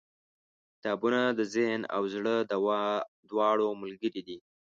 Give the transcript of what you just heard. • کتابونه د ذهن او زړه دواړو ملګري دي.